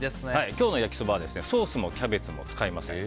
今日の焼きそばはソースもキャベツも使いません。